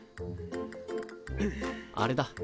あれだ。